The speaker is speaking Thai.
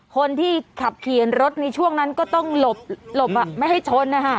คนที่ขับขี่รถในช่วงนั้นก็ต้องหลบไม่ให้ชนนะคะ